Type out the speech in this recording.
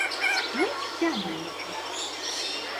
Ну, ці амаль нічога.